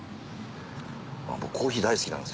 僕コーヒー大好きなんですよね。